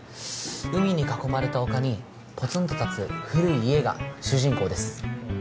海に囲まれた丘にぽつんと立つ古い家が主人公です